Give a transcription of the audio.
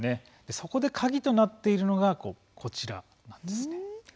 そこで鍵となっているのがこちらなんです。